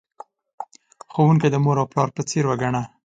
ښوونکی د مور او پلار په څیر وگڼه.